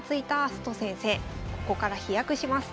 ここから飛躍します。